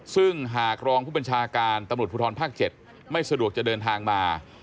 ซึ่งหากรองผู้บัญชาการตำรวจภูทรภาค๗ไม่สะดวกจะเดินทางมา